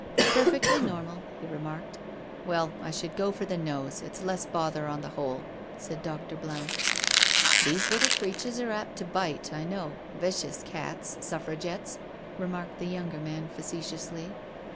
*' Perfectly normal/' he remarked. " Wiell^ I should go for the nose, it's less bother on the whole/* said Dr. Blount. " These little creatures are apt to bite, I know — vicious cats, Suffragettes/' remarked the younger man facetiously.